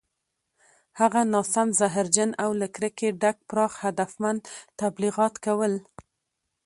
هغه ناسم، زهرجن او له کرکې ډک پراخ هدفمند تبلیغات کول